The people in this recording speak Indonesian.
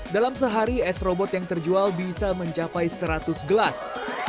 dalam sehari s robot yang terjual bisa mencapai seratus gelas